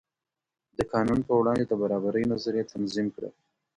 د قانون په وړاندې د برابرۍ نظریه تنظیم کړه.